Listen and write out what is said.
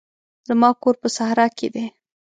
زما کور په صحرا کښي دی.